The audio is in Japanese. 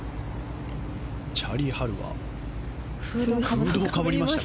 チャーリー・ハルはフードをかぶりました。